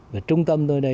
và trung tâm tôi đây